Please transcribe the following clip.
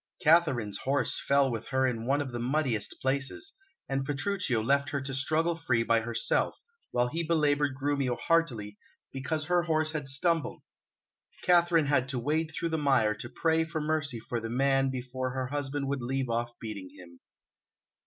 Katharine's horse fell with her in one of the muddiest places, and Petruchio left her to struggle free by herself, while he belaboured Grumio heartily because her horse had stumbled. Katharine had to wade through the mire to pray for mercy for the man before her husband would leave off beating him.